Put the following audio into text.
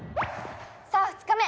さあ２日目！